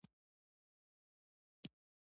د علیګړهه ښوونځي ته شامل شو.